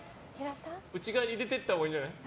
内側に入れていったほうがいいんじゃない？